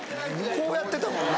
こうやってたもんね